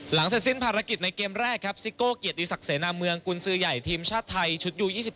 เสร็จสิ้นภารกิจในเกมแรกครับซิโก้เกียรติศักดิเสนาเมืองกุญสือใหญ่ทีมชาติไทยชุดยู๒๔